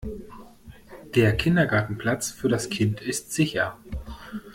Der Kindergartenplatz für das Kind ist sicher.